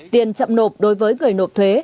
tiền chậm nộp đối với người nộp thuế